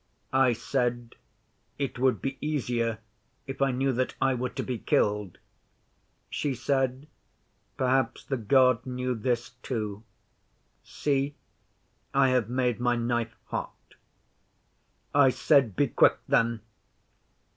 'I said, "It would be easier if I knew that I were to be killed." 'She said, "Perhaps the God knew this too. See! I have made my knife hot." 'I said, "Be quick, then!"